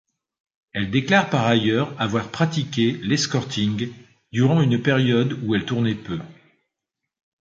Elle déclare par ailleurs avoir pratiqué l'escorting durant une période où elle tournait peu.